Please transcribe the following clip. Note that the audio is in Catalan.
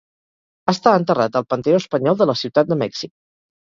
Està enterrat al Panteó Espanyol de la ciutat de Mèxic.